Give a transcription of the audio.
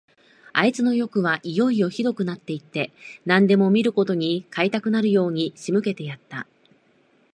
あいつのよくはいよいよひどくなって行って、何でも見るものごとに買いたくなるように仕向けてやった。